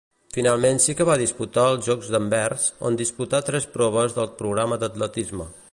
Finalment sí que va disputar els Jocs d'Anvers, on disputà tres proves del programa d'atletisme.